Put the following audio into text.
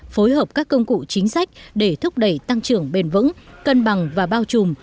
phối hợp các công cụ chính sách để thúc đẩy tăng trưởng bền vững cân bằng và bao trùm